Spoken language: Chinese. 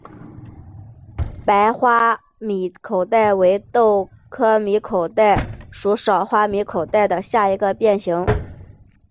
白花米口袋为豆科米口袋属少花米口袋下的一个变型。